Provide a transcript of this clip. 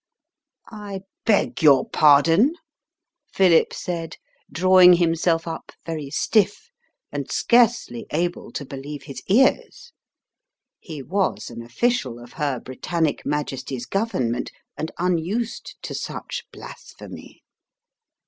"I BEG your pardon," Philip said, drawing himself up very stiff, and scarcely able to believe his ears (he was an official of Her Britannic Majesty's Government, and unused to such blasphemy).